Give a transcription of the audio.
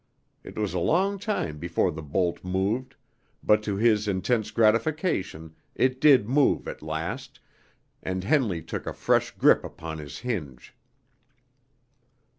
It was a long time before the bolt moved, but to his intense gratification it did move at last, and Henley took a fresh grip upon his hinge.